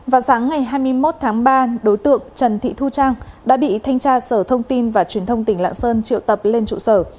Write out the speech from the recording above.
vào sáng ngày hai mươi một tháng ba đối tượng trần thị thu trang đã bị thanh tra sở thông tin và truyền thông tỉnh lạng sơn triệu tập lên trụ sở